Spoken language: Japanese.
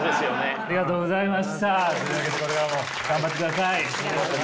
ありがとうございます。